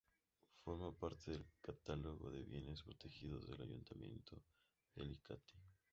Forma parte del catálogo de bienes protegidos del Ayuntamiento de Alicante.